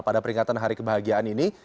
pada peringatan hari kebahagiaan ini